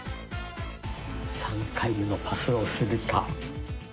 ３回目のパスをするか。